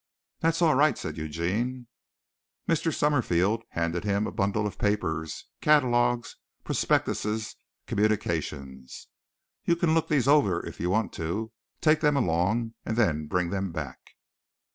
"That's all right," said Eugene. Mr. Summerfield handed him a bundle of papers, catalogues, prospectuses, communications. "You can look these over if you want to. Take them along and then bring them back."